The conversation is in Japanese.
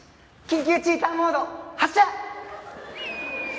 緊急チーターモード発射！